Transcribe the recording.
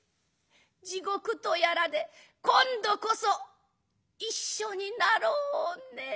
地獄とやらで今度こそ一緒になろうね。